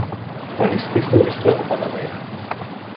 Palisty jsou rychle opadavé.